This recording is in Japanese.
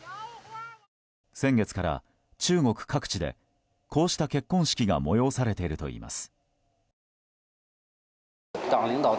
先月から中国各地でこうした結婚式が催されているといいます。